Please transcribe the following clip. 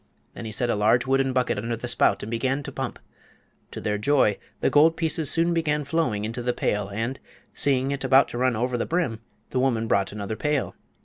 Then he set a large wooden bucket under the spout and began to pump. To their joy the gold pieces soon began flowing into the pail, and, seeing it about to run over the brim, the woman brought another pail.